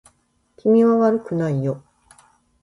君は悪くないよ